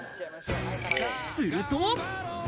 すると。